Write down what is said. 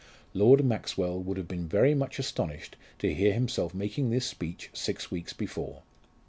Lord Maxwell would have been very much astonished to hear himself making this speech six weeks before.